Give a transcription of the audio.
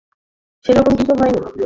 সেরকম কিছু হয়নি।